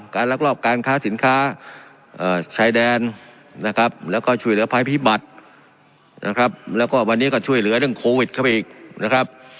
ลักลอบการค้าสินค้าชายแดนนะครับแล้วก็ช่วยเหลือภัยพิบัตินะครับแล้วก็วันนี้ก็ช่วยเหลือเรื่องโควิดเข้าไปอีกนะครับ